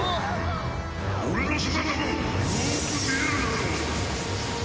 俺の姿もよーく見えるだろう！